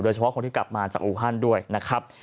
เฉพาะคนที่กลับมาจากอูฮันด้วยนะครับ